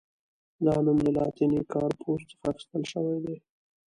دا نوم له لاتیني «کارپوس» څخه اخیستل شوی دی.